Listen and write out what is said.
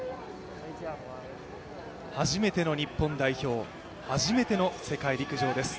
初めての日本代表、初めての世界陸上です。